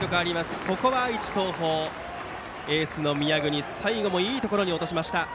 ここは愛知・東邦エースの宮國最後もいいところに落としました。